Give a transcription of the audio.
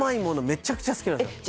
めちゃくちゃ好きなんですよ